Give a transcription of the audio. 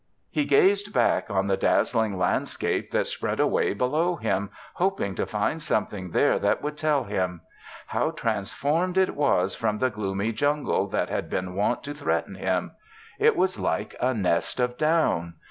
He gazed back on the dazzling landscape that spread away below him, hoping to find something there that would tell him. How transformed it was from the gloomy jungle that had been wont to threaten him! It was like a nest of down.